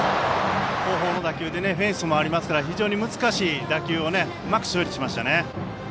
後方の打球でフェンスもありますから非常に難しい打球をうまく処理しましたよね。